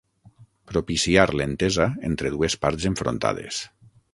Propiciar l'entesa entre dues parts enfrontades.